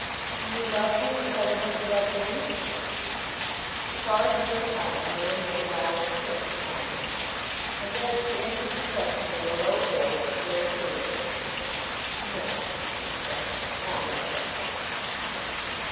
"Do you love him as I would have you love me?" She paused for a time, knowing that his eyes were fixed upon her, and then she answered the question in a low voice, but very clearly. "No," she said; "not like that."